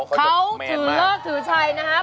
เขาถือเลิกถือใช่นะฮะ